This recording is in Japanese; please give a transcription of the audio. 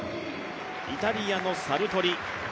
イタリアのサルトリ。